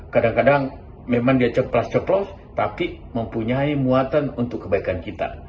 kadang kadang memang dia coplos coplos tapi mempunyai muatan untuk kebaikan kita